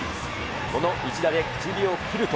この一打で口火を切ると。